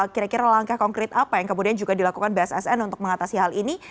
kira kira langkah konkret apa yang kemudian juga dilakukan bssn untuk mengatasi hal ini